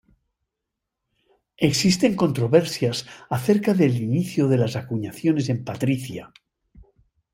Existen controversias acerca del inicio de las acuñaciones en Patricia.